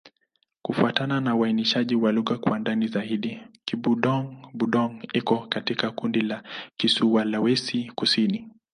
Kufuatana na uainishaji wa lugha kwa ndani zaidi, Kibudong-Budong iko katika kundi la Kisulawesi-Kusini.